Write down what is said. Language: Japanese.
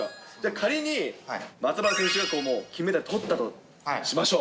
仮に、松原選手が金メダルとったとしましょう。